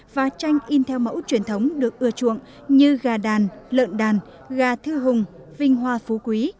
và tranh in theo mẫu truyền thống được ưa chuộng như gà đàn lợn đàn gà thư hùng vinh hoa phú quý